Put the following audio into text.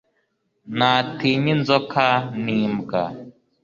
ntatinya inzoka ni mbwa